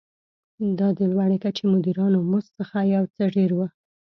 دا د لوړې کچې مدیرانو مزد څخه یو څه ډېر و.